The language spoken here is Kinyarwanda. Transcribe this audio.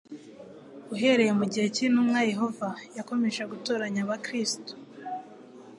uhereye mu gihe cy intumwa yehova yakomeje gutoranya abakristo